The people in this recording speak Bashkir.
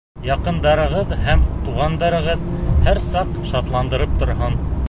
Яҡындарығыҙ һәм туғандарығыҙ һәр саҡ шатландырып торһон.